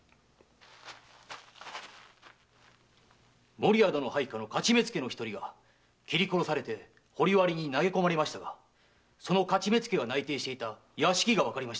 守屋殿の配下の徒目付が殺されて掘り割りに投げ込まれましたがその徒目付が内偵していた屋敷がわかりました。